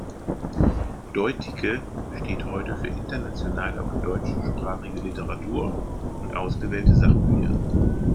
Deuticke steht heute für internationale und deutschsprachige Literatur und ausgewählte Sachbücher.